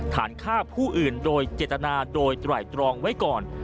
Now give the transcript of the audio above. ฐานฆ่าผู้อื่นโดยเจตนาโดยไตรตรองไว้ก่อน